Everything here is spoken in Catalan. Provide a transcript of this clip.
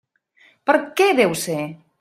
Per què deu ser?